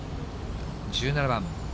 １７番。